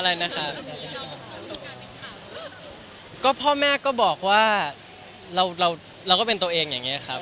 อะไรนะคะก็พ่อแม่ก็บอกว่าเราเราเราก็เป็นตัวเองอย่างเงี้ยครับ